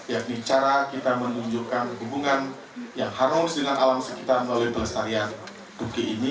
yakni cara kita menunjukkan hubungan yang harmous dengan alam sekitar melalui pelestarian turki ini